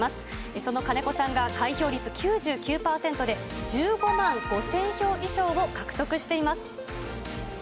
その金子さんが開票率９９％で、１５万５０００票以上を獲得しています。